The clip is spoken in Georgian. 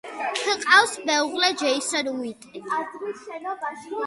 ჰყავს მეუღლე ჯეისონ უიტნი.